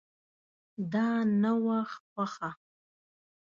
دا نه وه خوښه.